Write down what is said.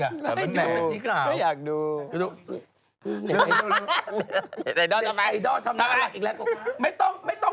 ทำไมแน่อยากดู